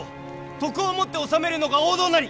徳をもって治めるのが王道なり！